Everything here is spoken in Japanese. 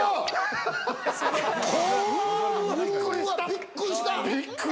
びっくりした！